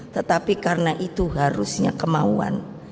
tetapi karena itu harusnya kemauan